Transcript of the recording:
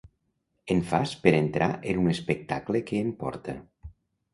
En fas per entrar en un espectacle que en porta.